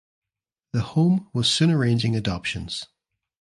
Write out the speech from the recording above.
The home was soon arranging adoptions.